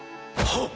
はっ！